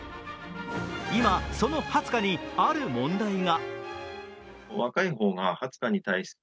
今、そのハツカにある問題が。